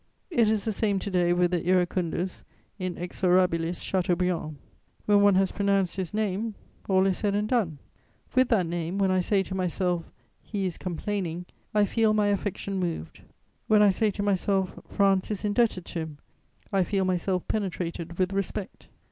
It is the same to day with the iracundus, inexorabilis Chateaubriand. When one has pronounced his name, all is said and done. With that name, when I say to myself, 'He is complaining,' I feel my affection moved; when I say to myself, 'France is indebted to him,' I feel myself penetrated with respect.